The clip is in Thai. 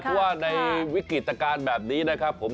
เพราะว่าในวิกฤตการณ์แบบนี้นะครับผม